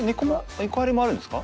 猫アレもあるんですか？